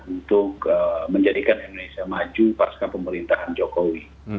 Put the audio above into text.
untuk menjadikan indonesia maju pasca pemerintahan jokowi